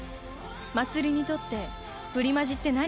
まつりにとってプリマジって何？